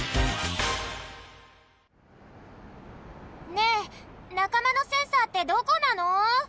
ねえなかまのセンサーってどこなの？